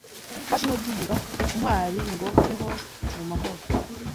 twaje ino duhunga Ntwari ngo tubeho mu mahoro